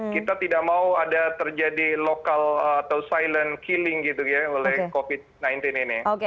kita tidak mau ada terjadi lokal atau silent killing gitu ya oleh covid sembilan belas ini